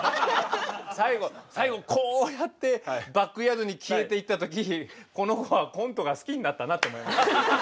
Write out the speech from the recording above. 最後最後こうやってバックヤードに消えていったときこの子はコントが好きになったなって思いました。